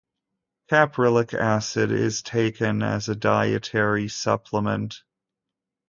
Caprylic acid is taken as a dietary supplement.